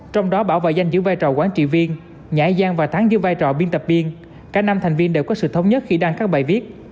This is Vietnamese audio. trong đó bảo vệ danh giữ vai trò quản trị viên nhãi giang và thắng giữ vai trò biên tập viên cả năm thành viên đều có sự thống nhất khi đăng các bài viết